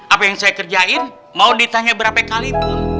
apa yang saya kerjain mau ditanya berapa kalipun